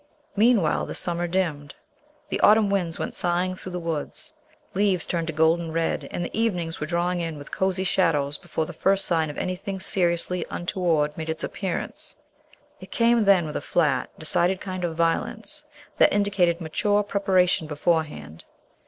Meanwhile the summer dimmed. The autumn winds went sighing through the woods, leaves turned to golden red, and the evenings were drawing in with cozy shadows before the first sign of anything seriously untoward made its appearance. It came then with a flat, decided kind of violence that indicated mature preparation beforehand.